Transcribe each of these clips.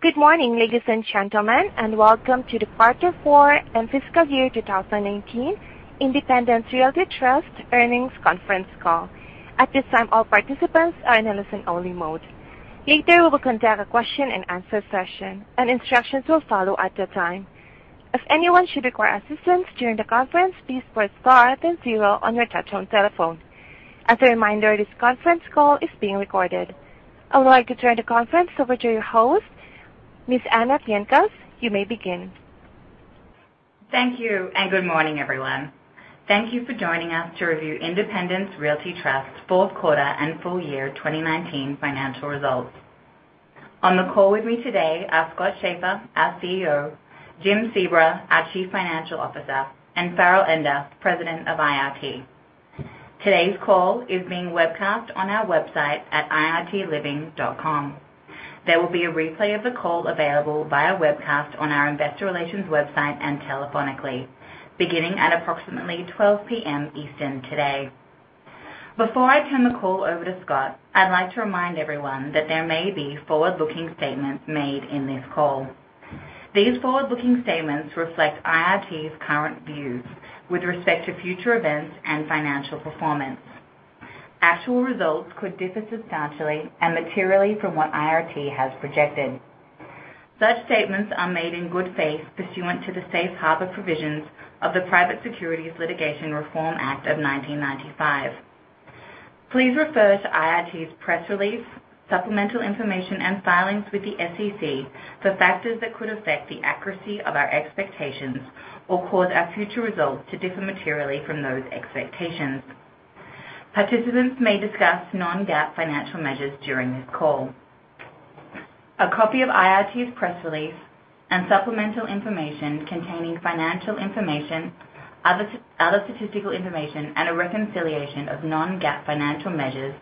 Good morning, ladies and gentlemen, and welcome to the Quarter Four and Fiscal Year 2019 Independence Realty Trust Earnings conference call. At this time, all participants are in a listen-only mode. Later, we will conduct a question and answer session, and instructions will follow at the time. If anyone should require assistance during the conference, please press star then zero on your touchtone telephone. As a reminder, this conference call is being recorded. I would like to turn the conference over to your host, Ms. Anna Pienkos. You may begin. Thank you. Good morning, everyone. Thank you for joining us to review Independence Realty Trust fourth quarter and full year 2019 financial results. On the call with me today are Scott Schaeffer, our CEO, Jim Sebra, our Chief Financial Officer, and Farrell Ender, President of IRT. Today's call is being webcast on our website at IRTLiving.com. There will be a replay of the call available via webcast on our investor relations website and telephonically, beginning at approximately 12:00 P.M. Eastern today. Before I turn the call over to Scott, I'd like to remind everyone that there may be forward-looking statements made in this call. These forward-looking statements reflect IRT's current views with respect to future events and financial performance. Actual results could differ substantially and materially from what IRT has projected. Such statements are made in good faith pursuant to the safe harbor provisions of the Private Securities Litigation Reform Act of 1995. Please refer to IRT's press release, supplemental information, and filings with the SEC for factors that could affect the accuracy of our expectations or cause our future results to differ materially from those expectations. Participants may discuss non-GAAP financial measures during this call. A copy of IRT's press release and supplemental information containing financial information, other statistical information, and a reconciliation of non-GAAP financial measures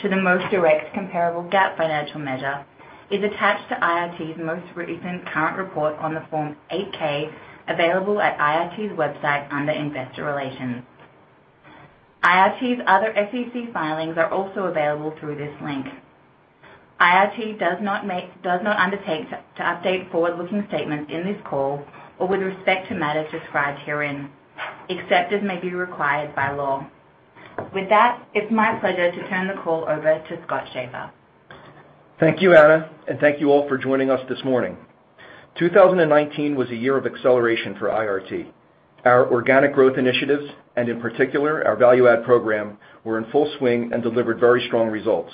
to the most direct comparable GAAP financial measure is attached to IRT's most recent current report on the form 8-K available at IRT's website under Investor Relations. IRT's other SEC filings are also available through this link. IRT does not undertake to update forward-looking statements in this call or with respect to matters described herein, except as may be required by law. With that, it's my pleasure to turn the call over to Scott Schaeffer. Thank you, Anna. Thank you all for joining us this morning. 2019 was a year of acceleration for IRT. Our organic growth initiatives, and in particular, our value-add program, were in full swing and delivered very strong results.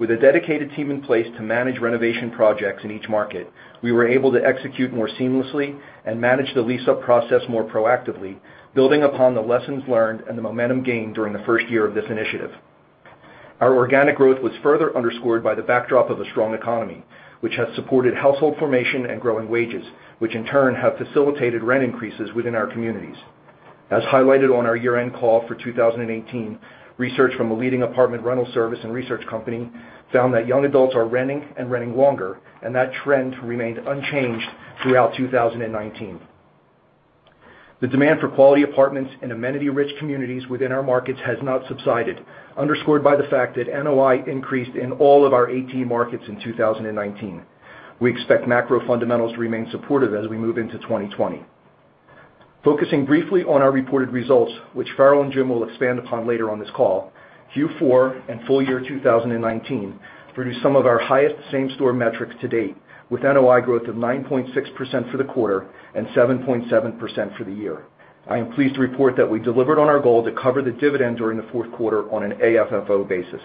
With a dedicated team in place to manage renovation projects in each market, we were able to execute more seamlessly and manage the lease-up process more proactively, building upon the lessons learned and the momentum gained during the first year of this initiative. Our organic growth was further underscored by the backdrop of a strong economy, which has supported household formation and growing wages, which in turn have facilitated rent increases within our communities. As highlighted on our year-end call for 2018, research from a leading apartment rental service and research company found that young adults are renting and renting longer, and that trend remained unchanged throughout 2019. The demand for quality apartments and amenity-rich communities within our markets has not subsided, underscored by the fact that NOI increased in all of our 18 markets in 2019. We expect macro fundamentals to remain supportive as we move into 2020. Focusing briefly on our reported results, which Farrell and Jim will expand upon later on this call, Q4 and full year 2019 produced some of our highest same-store metrics to date, with NOI growth of 9.6% for the quarter and 7.7% for the year. I am pleased to report that we delivered on our goal to cover the dividend during the fourth quarter on an AFFO basis.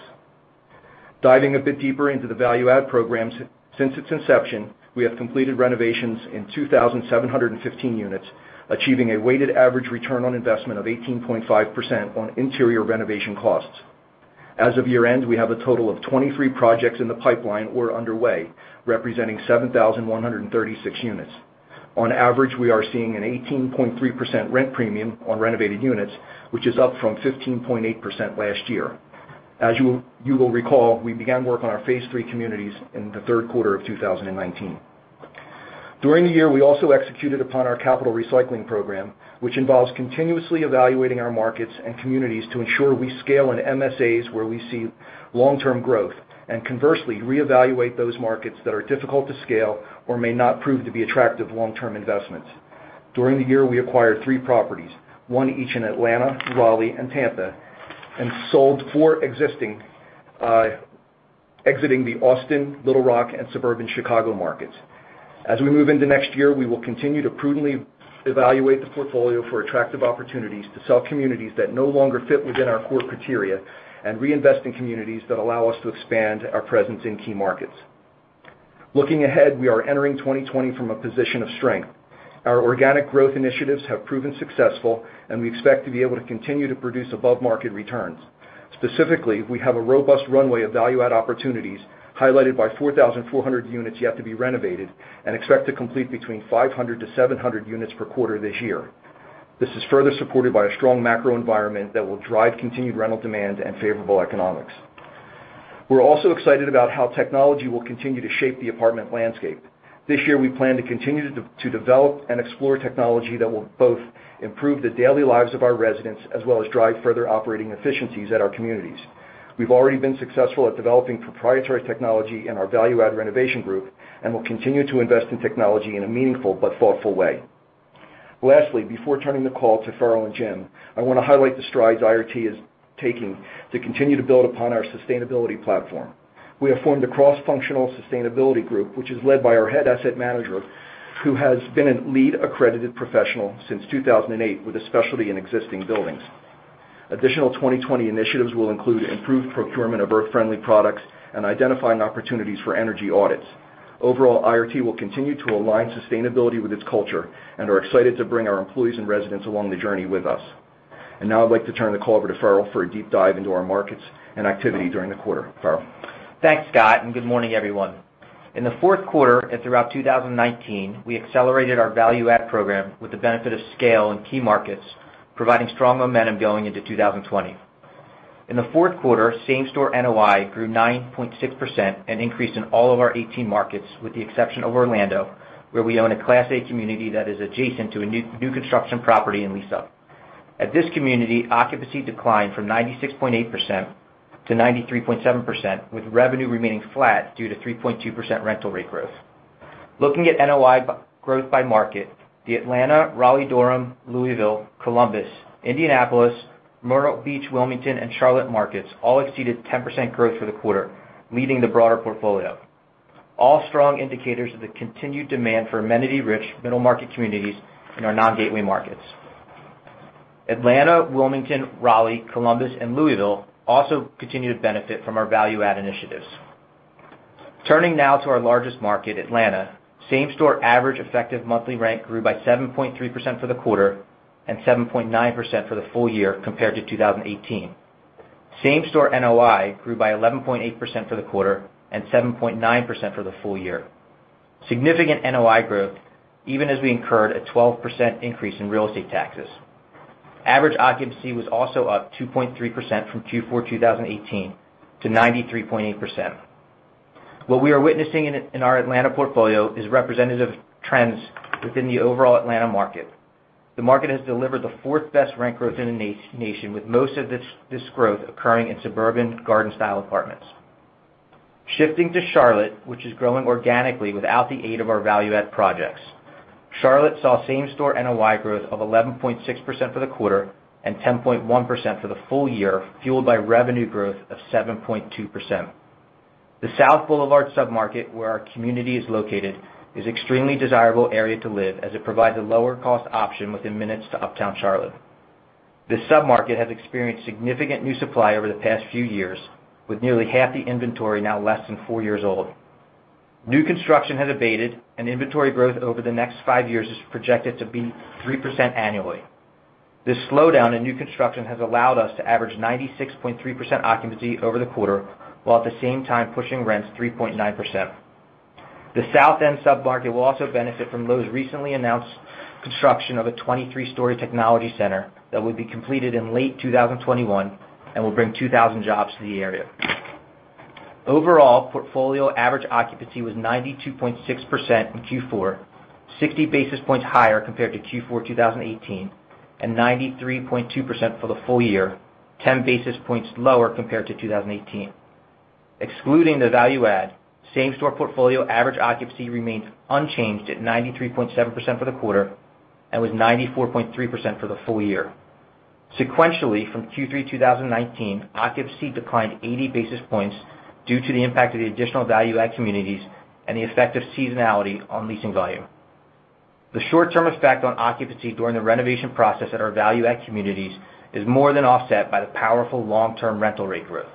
Diving a bit deeper into the value add programs, since its inception, we have completed renovations in 2,715 units, achieving a weighted average return on investment of 18.5% on interior renovation costs. As of year-end, we have a total of 23 projects in the pipeline or underway, representing 7,136 units. On average, we are seeing an 18.3% rent premium on renovated units, which is up from 15.8% last year. As you will recall, we began work on our phase 3 communities in the third quarter of 2019. During the year, we also executed upon our capital recycling program, which involves continuously evaluating our markets and communities to ensure we scale in MSAs where we see long-term growth, and conversely, reevaluate those markets that are difficult to scale or may not prove to be attractive long-term investments. During the year, we acquired three properties, one each in Atlanta, Raleigh, and Tampa, and sold four existing, exiting the Austin, Little Rock, and suburban Chicago markets. As we move into next year, we will continue to prudently evaluate the portfolio for attractive opportunities to sell communities that no longer fit within our core criteria and reinvest in communities that allow us to expand our presence in key markets. Looking ahead, we are entering 2020 from a position of strength. Our organic growth initiatives have proven successful, and we expect to be able to continue to produce above-market returns. Specifically, we have a robust runway of value-add opportunities highlighted by 4,400 units yet to be renovated and expect to complete between 500-700 units per quarter this year. This is further supported by a strong macro environment that will drive continued rental demand and favorable economics. We're also excited about how technology will continue to shape the apartment landscape. This year, we plan to continue to develop and explore technology that will both improve the daily lives of our residents, as well as drive further operating efficiencies at our communities. We've already been successful at developing proprietary technology in our value add renovation group, and will continue to invest in technology in a meaningful but thoughtful way. Lastly, before turning the call to Farrell and Jim, I want to highlight the strides IRT is taking to continue to build upon our sustainability platform. We have formed a cross-functional sustainability group, which is led by our head asset manager, who has been a LEED accredited professional since 2008 with a specialty in existing buildings. Additional 2020 initiatives will include improved procurement of earth-friendly products and identifying opportunities for energy audits. Overall, IRT will continue to align sustainability with its culture and are excited to bring our employees and residents along the journey with us. Now I'd like to turn the call over to Farrell for a deep dive into our markets and activity during the quarter. Farrell? Thanks, Scott, and good morning, everyone. In the fourth quarter and throughout 2019, we accelerated our value-add program with the benefit of scale in key markets, providing strong momentum going into 2020. In the fourth quarter, same-store NOI grew 9.6% and increased in all of our 18 markets, with the exception of Orlando, where we own a Class A community that is adjacent to a new construction property and lease up. At this community, occupancy declined from 96.8% to 93.7%, with revenue remaining flat due to 3.2% rental rate growth. Looking at NOI growth by market, the Atlanta, Raleigh-Durham, Louisville, Columbus, Indianapolis, Myrtle Beach, Wilmington, and Charlotte markets all exceeded 10% growth for the quarter, leading the broader portfolio. All strong indicators of the continued demand for amenity-rich middle-market communities in our non-gateway markets. Atlanta, Wilmington, Raleigh, Columbus, and Louisville also continue to benefit from our value-add initiatives. Turning now to our largest market, Atlanta, same-store average effective monthly rent grew by 7.3% for the quarter and 7.9% for the full year compared to 2018. Same-store NOI grew by 11.8% for the quarter and 7.9% for the full year. Significant NOI growth, even as we incurred a 12% increase in real estate taxes. Average occupancy was also up 2.3% from Q4 2018 to 93.8%. What we are witnessing in our Atlanta portfolio is representative of trends within the overall Atlanta market. The market has delivered the fourth-best rent growth in the nation, with most of this growth occurring in suburban garden-style apartments. Shifting to Charlotte, which is growing organically without the aid of our value add projects. Charlotte saw same-store NOI growth of 11.6% for the quarter and 10.1% for the full year, fueled by revenue growth of 7.2%. The South Boulevard submarket, where our community is located, is extremely desirable area to live as it provides a lower cost option within minutes to uptown Charlotte. This submarket has experienced significant new supply over the past few years, with nearly half the inventory now less than 4 years old. New construction has abated, and inventory growth over the next five years is projected to be 3% annually. This slowdown in new construction has allowed us to average 96.3% occupancy over the quarter, while at the same time pushing rents 3.9%. The South End submarket will also benefit from Lowe's recently announced construction of a 23-story technology center that will be completed in late 2021 and will bring 2,000 jobs to the area. Overall, portfolio average occupancy was 92.6% in Q4, 60 basis points higher compared to Q4 2018, and 93.2% for the full year, 10 basis points lower compared to 2018. Excluding the value add, same-store portfolio average occupancy remains unchanged at 93.7% for the quarter and was 94.3% for the full year. Sequentially, from Q3 2019, occupancy declined 80 basis points due to the impact of the additional value-add communities and the effect of seasonality on leasing volume. The short-term effect on occupancy during the renovation process at our value-add communities is more than offset by the powerful long-term rental rate growth.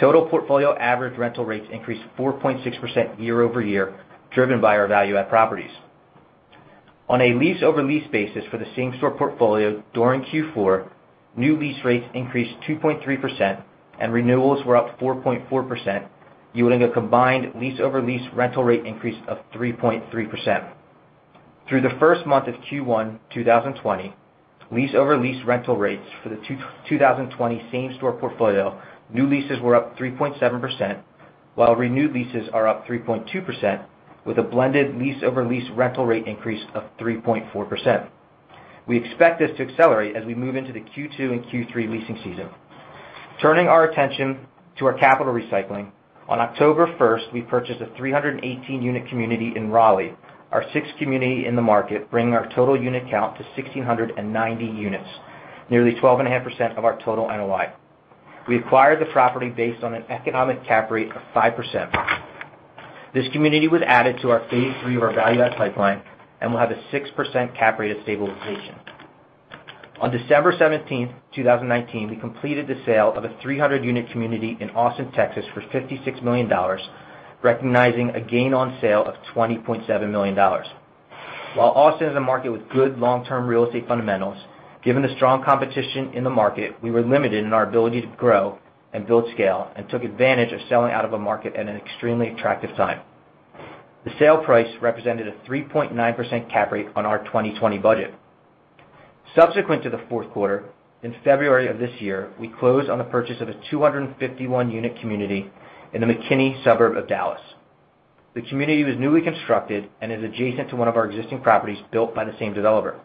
Total portfolio average rental rates increased 4.6% year-over-year, driven by our value add properties. On a lease-over-lease basis for the same-store portfolio during Q4, new lease rates increased 2.3% and renewals were up 4.4%, yielding a combined lease-over-lease rental rate increase of 3.3%. Through the first month of Q1 2020, lease-over-lease rental rates for the 2020 same-store portfolio, new leases were up 3.7%, while renewed leases are up 3.2%, with a blended lease-over-lease rental rate increase of 3.4%. We expect this to accelerate as we move into the Q2 and Q3 leasing season. Turning our attention to our capital recycling, on October 1, we purchased a 318-unit community in Raleigh, our sixth community in the market, bringing our total unit count to 1,690 units, nearly 12.5% of our total NOI. We acquired the property based on an economic cap rate of 5%. This community was added to our phase 3 of our value-add pipeline and will have a 6% cap rate at stabilization. On December 17, 2019, we completed the sale of a 300-unit community in Austin, Texas for $56 million, recognizing a gain on sale of $20.7 million. While Austin is a market with good long-term real estate fundamentals, given the strong competition in the market, we were limited in our ability to grow and build scale and took advantage of selling out of a market at an extremely attractive time. The sale price represented a 3.9% cap rate on our 2020 budget. Subsequent to the fourth quarter, in February of this year, we closed on the purchase of a 251-unit community in the McKinney suburb of Dallas. The community was newly constructed and is adjacent to one of our existing properties built by the same developer.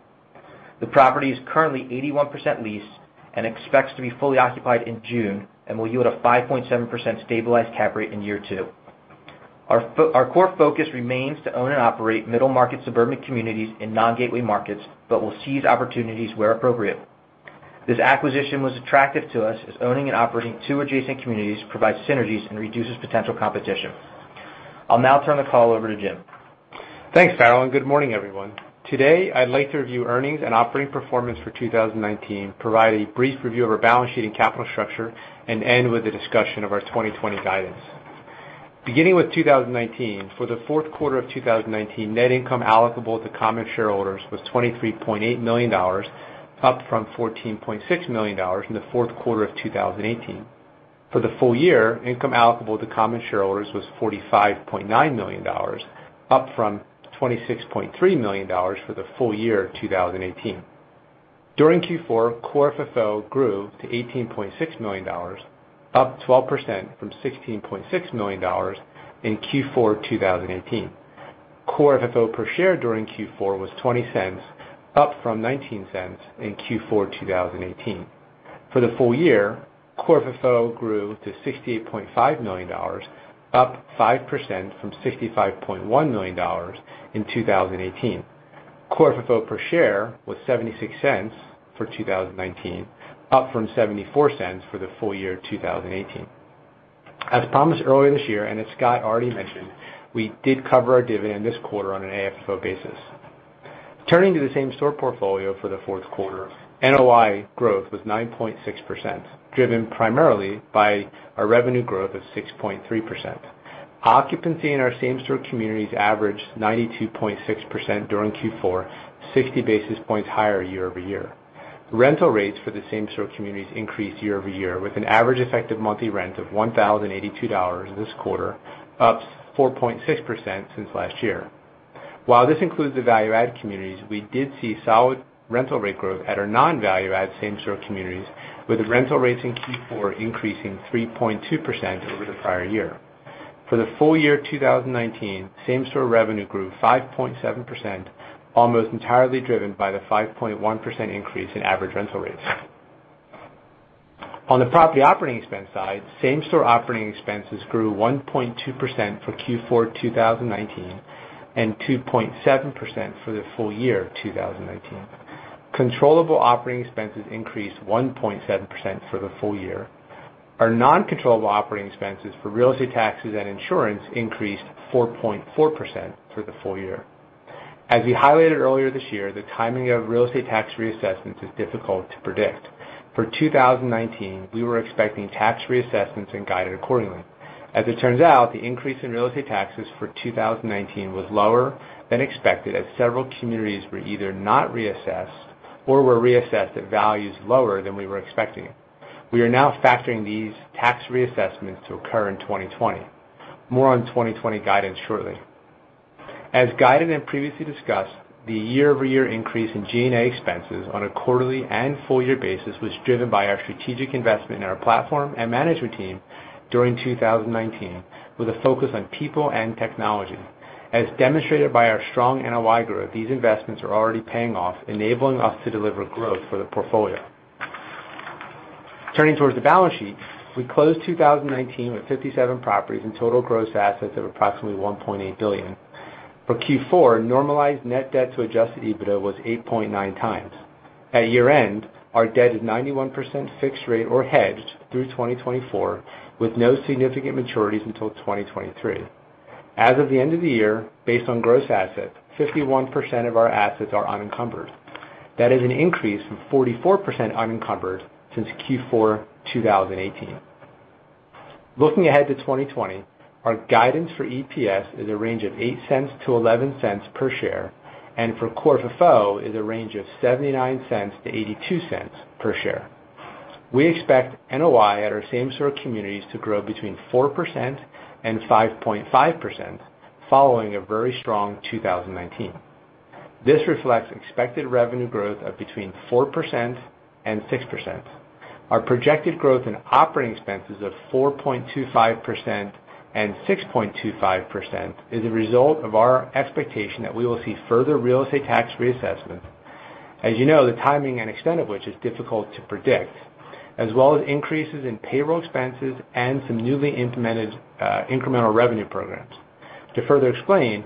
The property is currently 81% leased and expects to be fully occupied in June and will yield a 5.7% stabilized cap rate in year two. Our core focus remains to own and operate middle-market suburban communities in non-gateway markets, but we'll seize opportunities where appropriate. This acquisition was attractive to us as owning and operating two adjacent communities provides synergies and reduces potential competition. I'll now turn the call over to Jim. Thanks, Farrell, good morning, everyone. Today, I'd like to review earnings and operating performance for 2019, provide a brief review of our balance sheet and capital structure, end with a discussion of our 2020 guidance. Beginning with 2019, for the fourth quarter of 2019, net income applicable to common shareholders was $23.8 million, up from $14.6 million in the fourth quarter of 2018. For the full year, income applicable to common shareholders was $45.9 million, up from $26.3 million for the full year 2018. During Q4, core FFO grew to $18.6 million, up 12% from $16.6 million in Q4 2018. Core FFO per share during Q4 was $0.20, up from $0.19 in Q4 2018. For the full year, core FFO grew to $68.5 million, up 5% from $65.1 million in 2018. Core FFO per share was 76 cens for 2019, up from 74 cents for the full year 2018. As promised earlier this year, and as Scott already mentioned, we did cover our dividend this quarter on an AFFO basis. Turning to the same-store portfolio for the fourth quarter, NOI growth was 9.6%, driven primarily by a revenue growth of 6.3%. Occupancy in our same-store communities averaged 92.6% during Q4, 60 basis points higher year-over-year. Rental rates for the same-store communities increased year-over-year, with an average effective monthly rent of $1,082 this quarter, up 4.6% since last year. While this includes the value-add communities, we did see solid rental rate growth at our non-value-add same-store communities, with rental rates in Q4 increasing 3.2% over the prior year. For the full year 2019, same-store revenue grew 5.7%, almost entirely driven by the 5.1% increase in average rental rates. On the property operating expense side, same-store operating expenses grew 1.2% for Q4 2019 and 2.7% for the full year 2019. Controllable operating expenses increased 1.7% for the full year. Our non-controllable operating expenses for real estate taxes and insurance increased 4.4% for the full year. As we highlighted earlier this year, the timing of real estate tax reassessments is difficult to predict. For 2019, we were expecting tax reassessments and guided accordingly. As it turns out, the increase in real estate taxes for 2019 was lower than expected as several communities were either not reassessed or were reassessed at values lower than we were expecting. We are now factoring these tax reassessments to occur in 2020. More on 2020 guidance shortly. As guided and previously discussed, the year-over-year increase in G&A expenses on a quarterly and full year basis was driven by our strategic investment in our platform and management team during 2019, with a focus on people and technology. As demonstrated by our strong NOI growth, these investments are already paying off, enabling us to deliver growth for the portfolio. Turning towards the balance sheet, we closed 2019 with 57 properties and total gross assets of approximately $1.8 billion. For Q4, normalized net debt to adjusted EBITDA was 8.9x. At year-end, our debt is 91% fixed rate or hedged through 2024 with no significant maturities until 2023. As of the end of the year, based on gross assets, 51% of our assets are unencumbered. That is an increase from 44% unencumbered since Q4 2018. Looking ahead to 2020, our guidance for EPS is a range of 8 cents-11 cents per share, and for core FFO is a range of 79 cents-82 cents per share. We expect NOI at our same-store communities to grow between 4% and 5.5%, following a very strong 2019. This reflects expected revenue growth of between 4% and 6%. Our projected growth in operating expenses of 4.25%-6.25% is a result of our expectation that we will see further real estate tax reassessment. As you know, the timing and extent of which is difficult to predict, as well as increases in payroll expenses and some newly implemented incremental revenue programs. To further explain,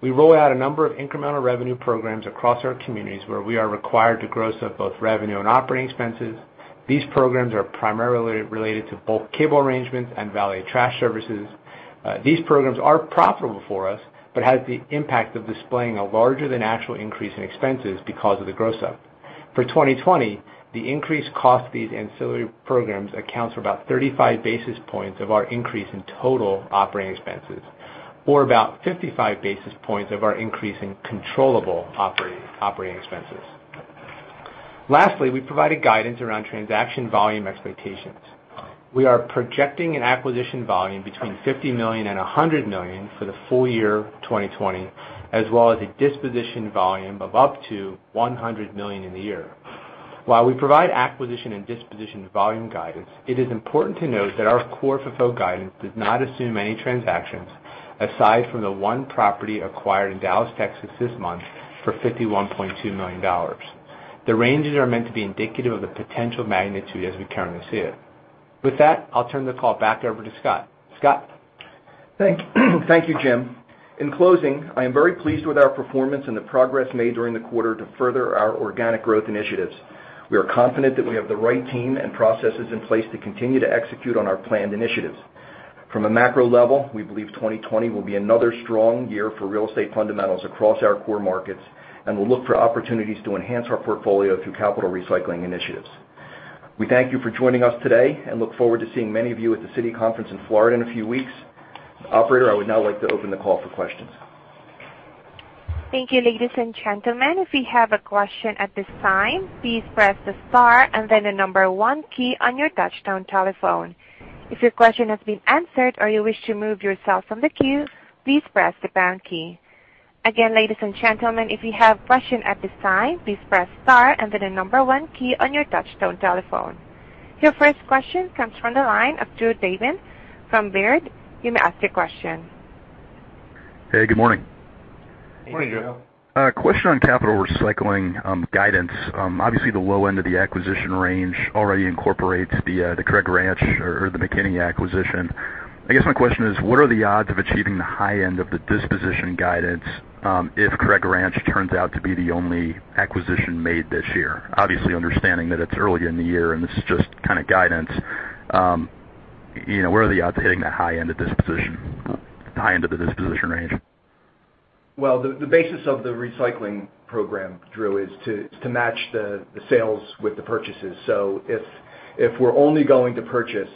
we roll out a number of incremental revenue programs across our communities where we are required to gross up both revenue and operating expenses. These programs are primarily related to bulk cable arrangements and valet trash services. These programs are profitable for us but have the impact of displaying a larger than actual increase in expenses because of the gross-up. For 2020, the increased cost of these ancillary programs accounts for about 35 basis points of our increase in total operating expenses, or about 55 basis points of our increase in controllable operating expenses. We provided guidance around transaction volume expectations. We are projecting an acquisition volume between $50 million-$100 million for the full year 2020, as well as a disposition volume of up to $100 million in the year. While we provide acquisition and disposition volume guidance, it is important to note that our core FFO guidance does not assume any transactions aside from the one property acquired in Dallas, Texas, this month for $51.2 million. The ranges are meant to be indicative of the potential magnitude as we currently see it. With that, I'll turn the call back over to Scott. Scott? Thank you, Jim. In closing, I am very pleased with our performance and the progress made during the quarter to further our organic growth initiatives. We are confident that we have the right team and processes in place to continue to execute on our planned initiatives. From a macro level, we believe 2020 will be another strong year for real estate fundamentals across our core markets, and we'll look for opportunities to enhance our portfolio through capital recycling initiatives. We thank you for joining us today and look forward to seeing many of you at the Citi conference in Florida in a few weeks. Operator, I would now like to open the call for questions. Thank you, ladies and gentlemen. If you have a question at this time, please press the star and then the number 1 key on your touchtone telephone. If your question has been answered or you wish to remove yourself from the queue, please press the pound key. Again, ladies and gentlemen, if you have a question at this time, please press star and then the number 1 key on your touchtone telephone. Your first question comes from the line of Drew Dolan from Baird. You may ask your question. Hey, good morning. Morning, Drew. A question on capital recycling guidance. Obviously, the low end of the acquisition range already incorporates the Craig Ranch or the McKinney acquisition. I guess my question is, what are the odds of achieving the high end of the disposition guidance if Craig Ranch turns out to be the only acquisition made this year? Obviously understanding that it is early in the year, and this is just kind of guidance. What are the odds of hitting the high end of the disposition range? Well, the basis of the recycling program, Drew, is to match the sales with the purchases. If we're only going to purchase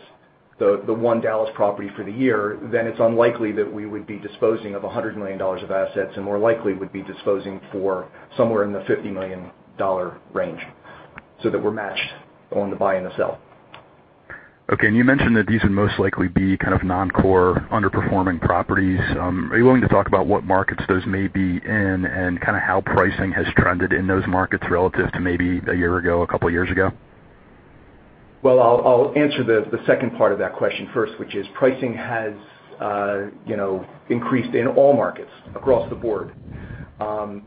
the one Dallas property for the year, then it's unlikely that we would be disposing of $100 million of assets, and more likely would be disposing for somewhere in the $50 million range, so that we're matched on the buy and the sell. Okay. You mentioned that these would most likely be kind of non-core, underperforming properties. Are you willing to talk about what markets those may be in, and kind of how pricing has trended in those markets relative to maybe a year ago, a couple of years ago? Well, I'll answer the second part of that question first, which is pricing has increased in all markets across the board.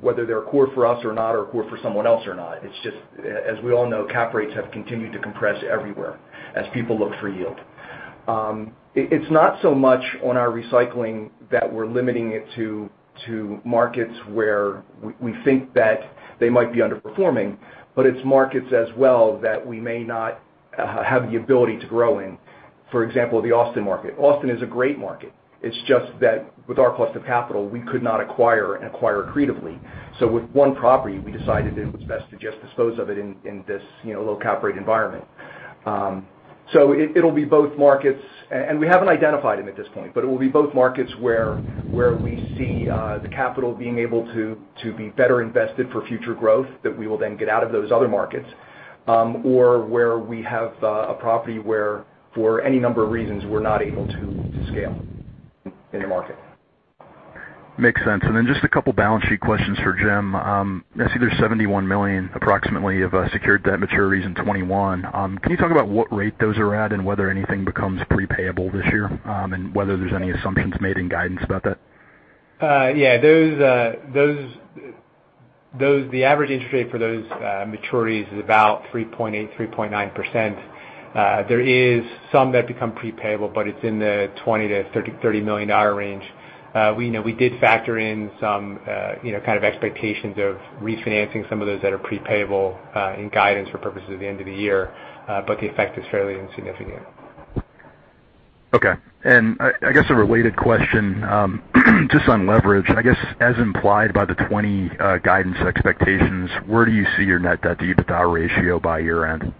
Whether they're core for us or not, or core for someone else or not. It's just, as we all know, cap rates have continued to compress everywhere as people look for yield. It's not so much on our recycling that we're limiting it to markets where we think that they might be underperforming, but it's markets as well that we may not have the ability to grow in. For example, the Austin market. Austin is a great market, it's just that with our cost of capital, we could not acquire and acquire accretively. With one property, we decided it was best to just dispose of it in this low cap rate environment. It'll be both markets, and we haven't identified them at this point. It will be both markets where we see the capital being able to be better invested for future growth, that we will then get out of those other markets. Where we have a property where, for any number of reasons, we're not able to scale in the market. Makes sense. Then just a couple of balance sheet questions for Jim. I see there's $71 million, approximately, of secured debt maturities in 2021. Can you talk about what rate those are at and whether anything becomes pre-payable this year, and whether there's any assumptions made in guidance about that? Yeah. The average interest rate for those maturities is about 3.8%, 3.9%. There is some that become pre-payable, it's in the $20 million-$30 million range. We did factor in some kind of expectations of refinancing some of those that are pre-payable in guidance for purposes of the end of the year. The effect is fairly insignificant. Okay. I guess a related question, just on leverage. I guess as implied by the 2020 guidance expectations, where do you see your net debt-to-EBITDA ratio by year-end?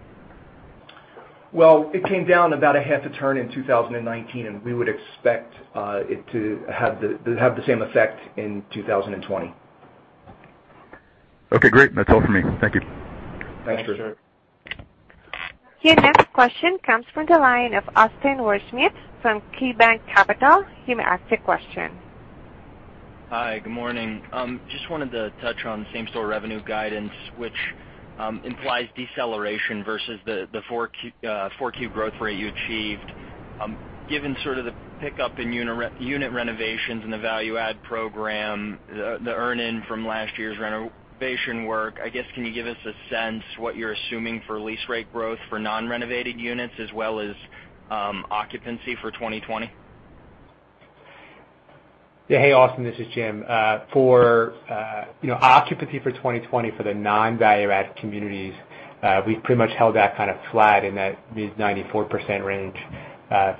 Well, it came down about a half a turn in 2019. We would expect it to have the same effect in 2020. Okay, great. That's all for me. Thank you. Thanks, Drew. Thanks, Drew. Your next question comes from the line of Austin Wurschmidt from KeyBanc Capital. You may ask your question. Hi, good morning. Just wanted to touch on same-store revenue guidance, which implies deceleration versus the Q4 growth rate you achieved. Given sort of the pickup in unit renovations and the value add program, the earn-in from last year's renovation work, I guess can you give us a sense what you're assuming for lease rate growth for non-renovated units as well as occupancy for 2020? Hey, Austin, this is Jim. For occupancy for 2020 for the non-value-add communities, we've pretty much held that kind of flat in that mid-94% range.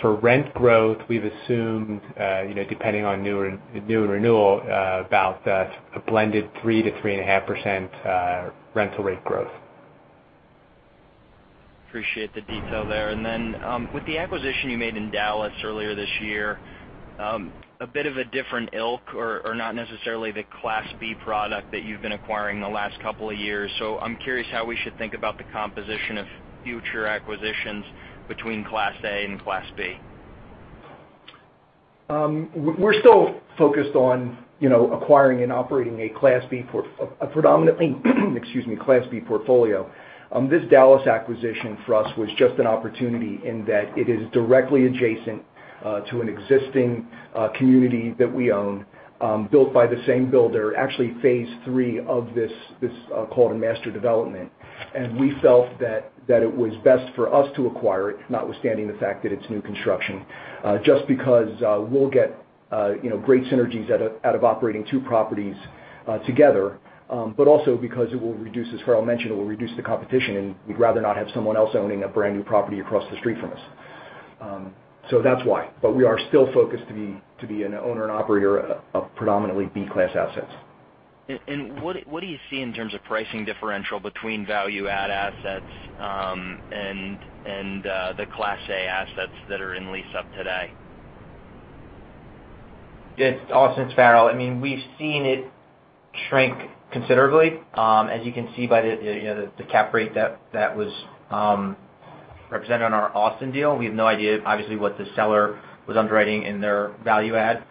For rent growth, we've assumed, depending on new and renewal, about a blended 3%-3.5% rental rate growth. Appreciate the detail there. With the acquisition you made in Dallas earlier this year. A bit of a different ilk or not necessarily the Class B product that you've been acquiring the last couple of years. I'm curious how we should think about the composition of future acquisitions between Class A and Class B. We're still focused on acquiring and operating a predominantly Class B portfolio. This Dallas acquisition for us was just an opportunity in that it is directly adjacent to an existing community that we own, built by the same builder, actually phase III of this called a master development. We felt that it was best for us to acquire it, notwithstanding the fact that it's new construction, just because we'll get great synergies out of operating two properties together, but also because it will reduce, as Farrell mentioned, it will reduce the competition, and we'd rather not have someone else owning a brand-new property across the street from us. That's why. We are still focused to be an owner and operator of predominantly B class assets. What do you see in terms of pricing differential between value-add assets and the Class A assets that are in lease-up today? It's Farrell. We've seen it shrink considerably. As you can see by the cap rate that was represented on our Austin deal. We have no idea, obviously, what the seller was underwriting in their value-add.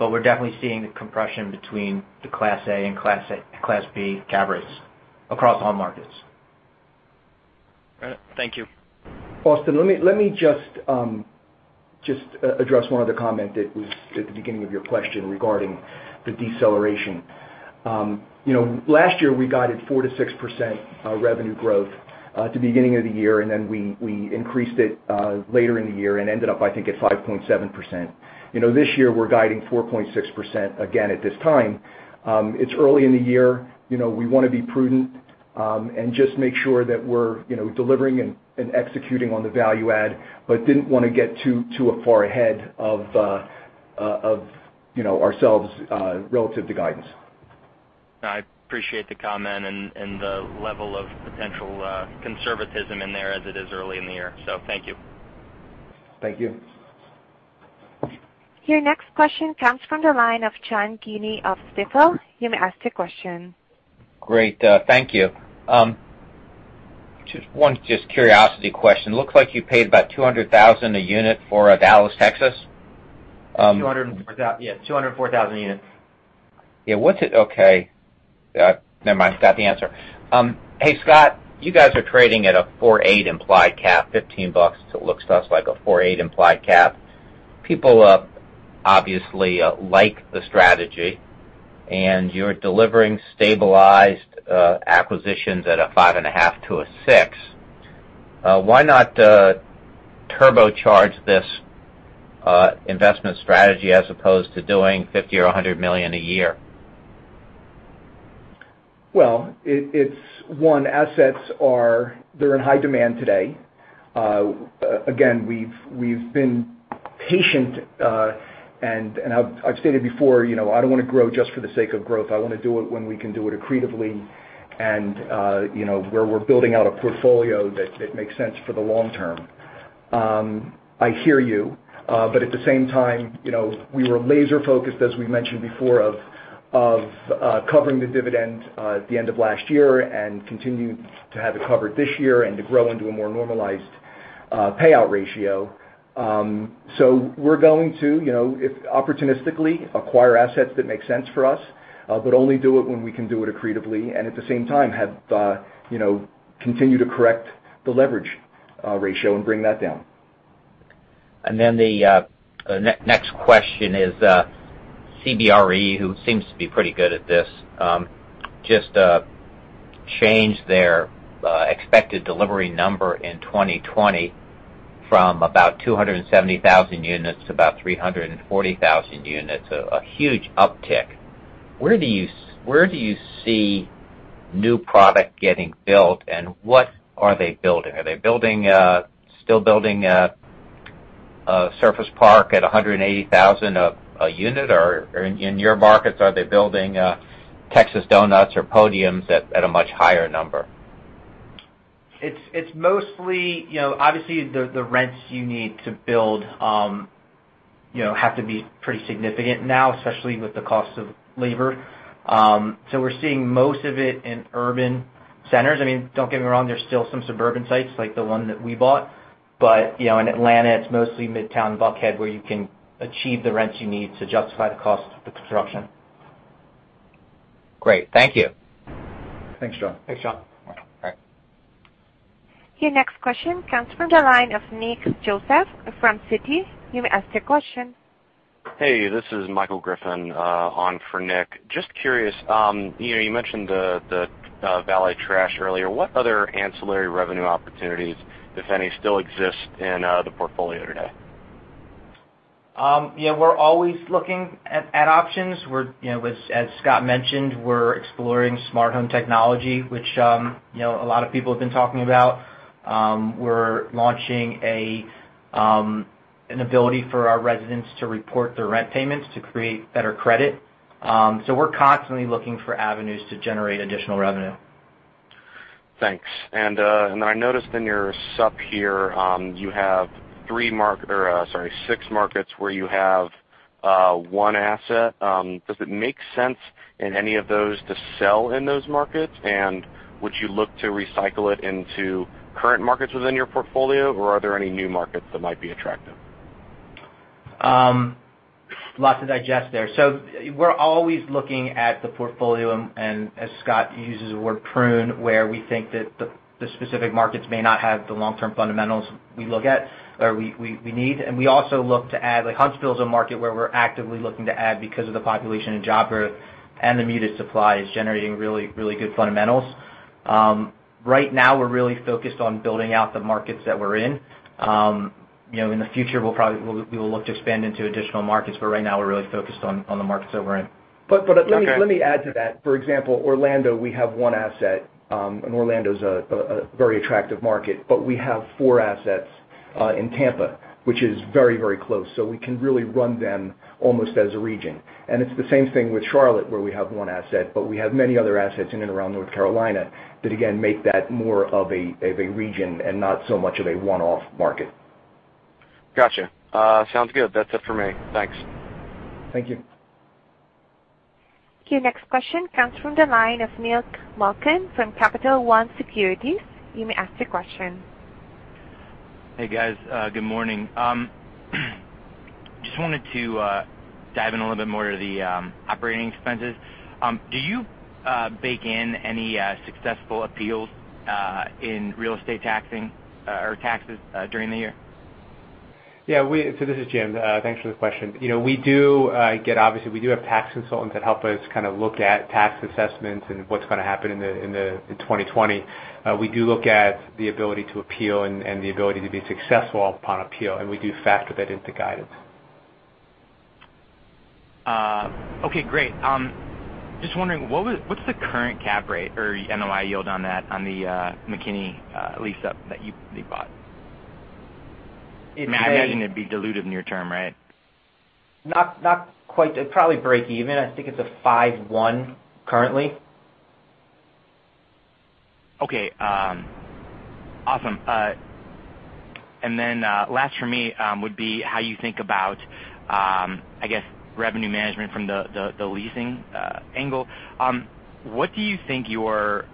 We're definitely seeing the compression between the Class A and Class B cap rates across all markets. All right. Thank you. Austin, let me just address one other comment that was at the beginning of your question regarding the deceleration. Last year, we guided 4%-6% revenue growth at the beginning of the year, and then we increased it later in the year and ended up, I think, at 5.7%. This year, we're guiding 4.6% again at this time. It's early in the year. We want to be prudent and just make sure that we're delivering and executing on the value add, but didn't want to get too far ahead of ourselves relative to guidance. I appreciate the comment and the level of potential conservatism in there as it is early in the year. Thank you. Thank you. Your next question comes from the line of John Kim of Stifel. You may ask your question. Great. Thank you. Just one just curiosity question. Looks like you paid about $200,000 a unit for Dallas, Texas. $204,000 a unit. Yeah. Okay. Never mind, got the answer. Hey, Scott, you guys are trading at a 4.8 implied cap, $15, it looks to us like a 4-8 implied cap. People obviously like the strategy, you're delivering stabilized acquisitions at a 5.5% to 6%. Why not turbocharge this investment strategy as opposed to doing $50 million or $100 million a year? Well, one, assets are in high demand today. We've been patient. I've stated before, I don't want to grow just for the sake of growth. I want to do it when we can do it accretively and where we're building out a portfolio that makes sense for the long term. I hear you. At the same time, we were laser-focused, as we mentioned before, of covering the dividend at the end of last year and continue to have it covered this year and to grow into a more normalized payout ratio. We're going to, opportunistically, acquire assets that make sense for us, but only do it when we can do it accretively. At the same time, continue to correct the leverage ratio and bring that down. Then the next question is CBRE, who seems to be pretty good at this, just changed their expected delivery number in 2020 from about 270,000 units to about 340,000 units, a huge uptick. Where do you see new product getting built and what are they building? Are they still building a surface park at $180,000 a unit? Or in your markets, are they building Texas doughnuts or podiums at a much higher number? Obviously, the rents you need to build have to be pretty significant now, especially with the cost of labor. We're seeing most of it in urban centers. Don't get me wrong, there's still some suburban sites like the one that we bought. In Atlanta, it's mostly Midtown Buckhead, where you can achieve the rents you need to justify the cost of the construction. Great. Thank you. Thanks, John. Thanks, John. All right. Your next question comes from the line of Nick Joseph from Citi. You may ask your question. Hey, this is Michael Griffin on for Nick. Just curious, you mentioned the valet trash earlier. What other ancillary revenue opportunities, if any, still exist in the portfolio today? We're always looking at options, as Scott mentioned, we're exploring smart home technology, which a lot of people have been talking about. We're launching an ability for our residents to report their rent payments to create better credit. We're constantly looking for avenues to generate additional revenue. Thanks. I noticed in your sup here, you have six markets where you have one asset. Does it make sense in any of those to sell in those markets, and would you look to recycle it into current markets within your portfolio, or are there any new markets that might be attractive? Lots to digest there. We're always looking at the portfolio, and as Scott uses the word prune, where we think that the specific markets may not have the long-term fundamentals we need. We also look to add, like Huntsville is a market where we're actively looking to add because of the population and job growth, and the muted supply is generating really good fundamentals. Right now, we're really focused on building out the markets that we're in. In the future, we will look to expand into additional markets, but right now we're really focused on the markets that we're in. Okay. Let me add to that. For example, Orlando, we have one asset, and Orlando's a very attractive market, but we have four assets in Tampa, which is very close. We can really run them almost as a region. It's the same thing with Charlotte, where we have one asset, but we have many other assets in and around North Carolina that again, make that more of a region and not so much of a one-off market. Got you. Sounds good. That's it for me. Thanks. Thank you. Okay. Next question comes from the line of Neil Malkin from Capital One Securities. You may ask your question. Hey, guys. Good morning. Just wanted to dive in a little bit more to the operating expenses. Do you bake in any successful appeals in real estate taxing or taxes during the year? Yeah. This is Jim. Thanks for the question. Obviously, we do have tax consultants that help us kind of look at tax assessments and what's going to happen in 2020. We do look at the ability to appeal and the ability to be successful upon appeal, and we do factor that into guidance. Okay, great. Just wondering, what's the current cap rate or NOI yield on the McKinney lease up that you bought? It may- I imagine it'd be dilutive near term, right? Not quite. It'd probably break even. I think it's a five one currently. Okay. Awesome. Last for me, would be how you think about, I guess, revenue management from the leasing angle. What do you think your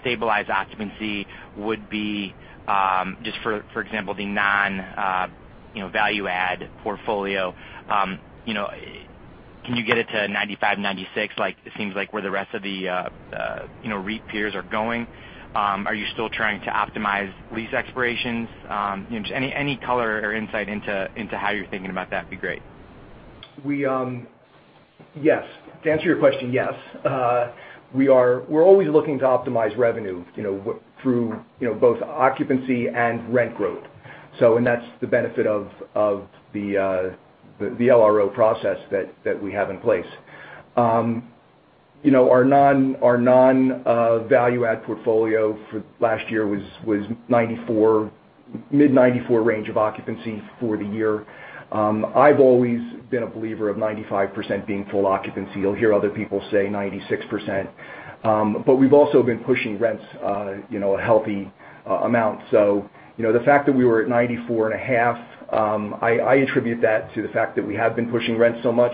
stabilized occupancy would be, just for example, the non-value-add portfolio? Can you get it to 95, 96, like it seems like where the rest of the REIT peers are going? Are you still trying to optimize lease expirations? Any color or insight into how you're thinking about that would be great. Yes. To answer your question, yes. We're always looking to optimize revenue through both occupancy and rent growth. That's the benefit of the LRO process that we have in place. Our non-value-add portfolio for last year was mid 94 range of occupancy for the year. I've always been a believer of 95% being full occupancy. You'll hear other people say 96%. We've also been pushing rents a healthy amount. The fact that we were at 94.5%, I attribute that to the fact that we have been pushing rents so much.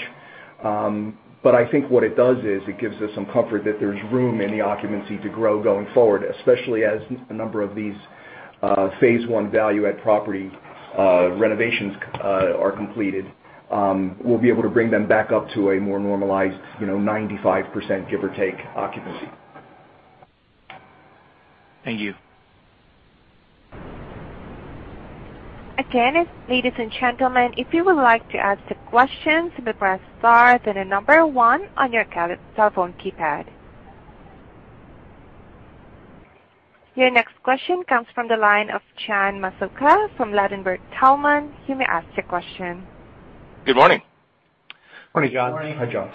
I think what it does is it gives us some comfort that there's room in the occupancy to grow going forward, especially as a number of these phase one value-add property renovations are completed. We'll be able to bring them back up to a more normalized, 95% give or take occupancy. Thank you. Again, ladies and gentlemen, if you would like to ask the questions, you may press star, then the number one on your telephone keypad. Your next question comes from the line of John Massocca from Ladenburg Thalmann. You may ask your question. Good morning. Morning John,. Morning. Hi, John.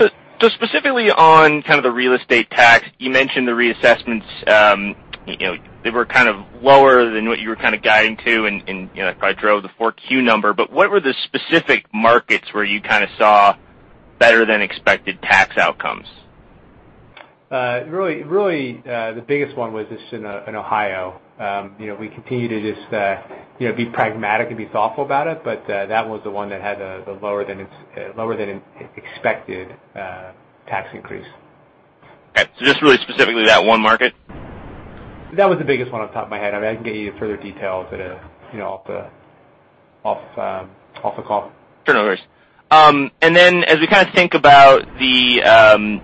Specifically on kind of the real estate tax, you mentioned the reassessments, they were kind of lower than what you were kind of guiding to and probably drove the 4Q number. What were the specific markets where you kind of saw better than expected tax outcomes? Really, the biggest one was just in Ohio. We continue to just be pragmatic and be thoughtful about it, but that was the one that had the lower than expected tax increase. Okay. Just really specifically that one market? That was the biggest one off the top of my head. I can get you further details off the call. Sure, no worries. As we kind of think about the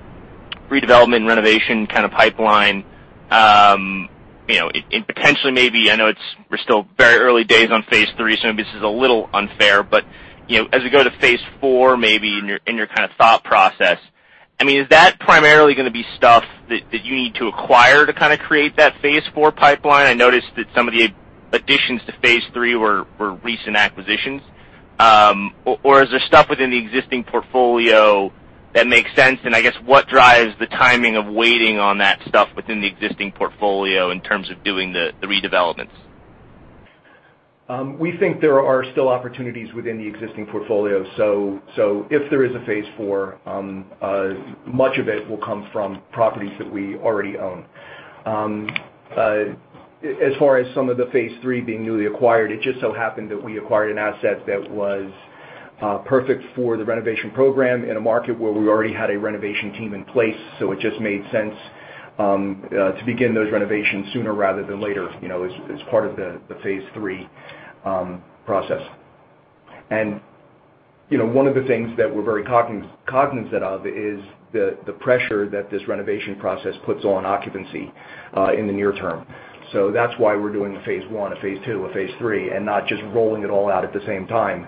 redevelopment and renovation kind of pipeline, and potentially maybe, I know we're still very early days on phase 3, so maybe this is a little unfair, but as we go to phase 4, maybe in your kind of thought process, I mean, is that primarily going to be stuff that you need to acquire to kind of create that phase 4 pipeline? I noticed that some of the additions to phase 3 were recent acquisitions. Is there stuff within the existing portfolio that makes sense? I guess what drives the timing of waiting on that stuff within the existing portfolio in terms of doing the redevelopments? We think there are still opportunities within the existing portfolio. If there is a phase four, much of it will come from properties that we already own. As far as some of the phase three being newly acquired, it just so happened that we acquired an asset that was perfect for the renovation program in a market where we already had a renovation team in place. It just made sense to begin those renovations sooner rather than later, as part of the phase three process. One of the things that we're very cognizant of is the pressure that this renovation process puts on occupancy in the near term. That's why we're doing a phase 1, a phase 2, a phase 3, and not just rolling it all out at the same time,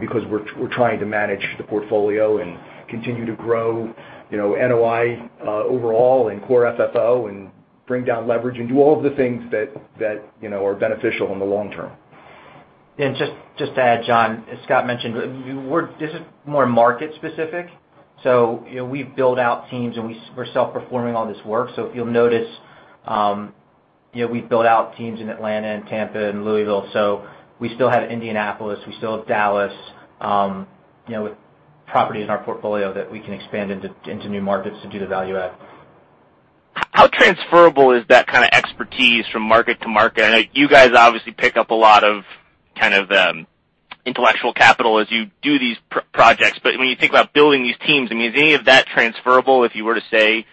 because we're trying to manage the portfolio and continue to grow NOI overall and core FFO and bring down leverage and do all of the things that are beneficial in the long term. Just to add, John, as Scott mentioned, this is more market specific. We build out teams, and we're self-performing all this work. If you'll notice, we've built out teams in Atlanta and Tampa and Louisville. We still have Indianapolis, we still have Dallas, properties in our portfolio that we can expand into new markets to do the value add. How transferable is that kind of expertise from market to market? I know you guys obviously pick up a lot of intellectual capital as you do these projects, but when you think about building these teams, is any of that transferable if you were to, say,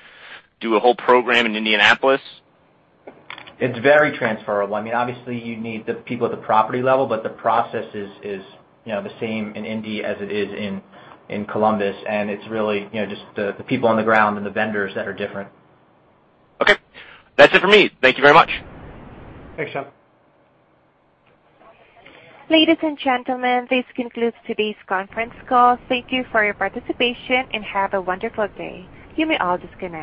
do a whole program in Indianapolis? It's very transferable. Obviously, you need the people at the property level, but the process is the same in Indy as it is in Columbus. It's really just the people on the ground and the vendors that are different. Okay. That's it for me. Thank you very much. Thanks, John. Ladies and gentlemen, this concludes today's conference call. Thank you for your participation, and have a wonderful day. You may all disconnect.